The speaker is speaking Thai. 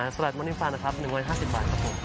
สลัดมอนิฟานะครับ๑๕๐บาทครับผม